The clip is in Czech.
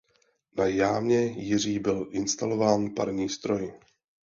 Na jámě Jiří byl instalován parní stroj.